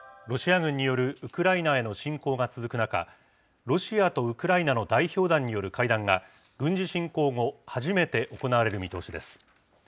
ロシア軍によるウクライナへの侵攻が続く中、ロシアとウクライナの代表団による会談が、軍事侵攻後、初めて行われる見通しです。